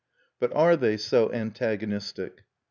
But are they so antagonistic?